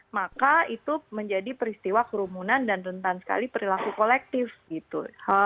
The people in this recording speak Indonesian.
maka itu menjadi peristiwa kerumunan dan rentan sekali perilaku kolektif gitu